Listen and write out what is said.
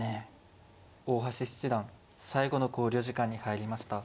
大橋七段最後の考慮時間に入りました。